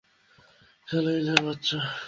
শালা ইলের বাচ্চা।